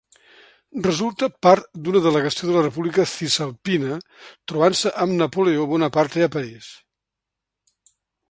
Resulta part d'una delegació de la República Cisalpina, trobant-se amb Napoleó Bonaparte a París.